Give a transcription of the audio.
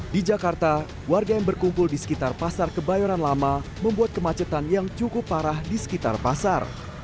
di jakarta warga yang berkumpul di sekitar pasar kebayoran lama membuat kemacetan yang cukup parah di sekitar pasar